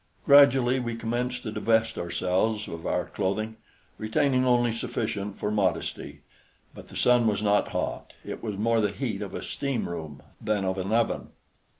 Gradually, we commenced to divest ourselves of our clothing, retaining only sufficient for modesty; but the sun was not hot. It was more the heat of a steam room than of an oven.